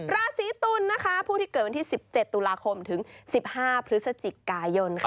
ราศีตุลนะคะผู้ที่เกิดวันที่๑๗ตุลาคมถึง๑๕พฤศจิกายนค่ะ